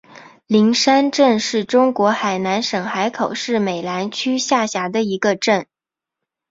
灵山镇是中国海南省海口市美兰区下辖的一个镇。